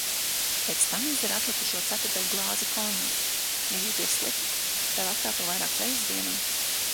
Pēc tam izdzer atlikušo ceturtdaļglāzi konjaka. Ja jūties slikti, tad atkārto vairākas reizes dienā.